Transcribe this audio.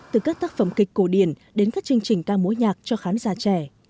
từ các tác phẩm kịch cổ điển đến các chương trình ca mối nhạc cho khán giả trẻ